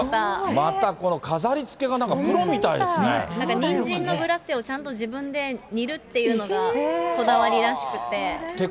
またこの飾り付けがなんか、なんかニンジンのグラッセを、ちゃんと自分で煮るっていうのが、こだわりらしくて。